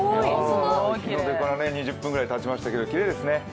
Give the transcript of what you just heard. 日の出から２０分ぐらいたちましたけれども、きれいですね。